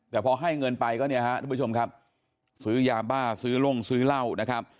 แต่พอให้เงินไปก็เนี่ยฮะทุกผู้ชมครับซื้อยาบ้าซื้อล่งซื้อเหล้านะครับ